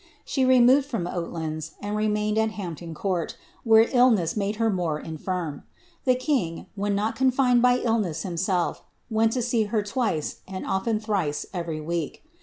She removed from OaUands, and remained at Hampton Court, where illness made her more infirm. The king, when not confined by sickness himself, went to see her twice and often thrice every week.